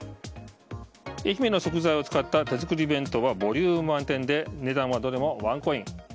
愛媛の食材を使った手作り弁当はボリューム満点で値段はどれもワンコイン。